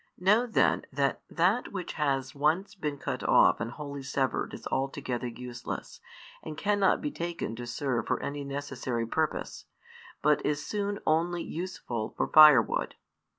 Know then that that which has once been cut off and wholly severed is altogether useless, and cannot be taken to serve for any necessary purpose, but is soon only useful for firewood.